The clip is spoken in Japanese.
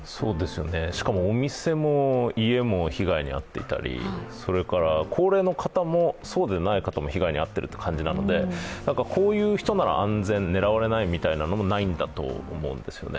しかも、お店も家も被害に遭っていたり、高齢の方もそうでない方も被害に遭っているという感じなのでこういう人なら安全、狙われないみたいなのもないと思うんですね。